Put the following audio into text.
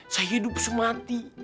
saya hidup semati